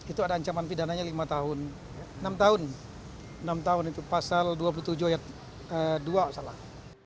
itu ada ancaman pidananya lima tahun enam tahun enam tahun itu pasal dua puluh tujuh ayat dua salah